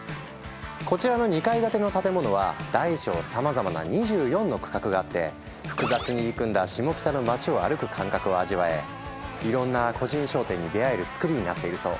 こちらの２階建ての建物は大小さまざまな２４の区画があって複雑に入り組んだシモキタの街を歩く感覚を味わえいろんな個人商店に出会えるつくりになっているそう。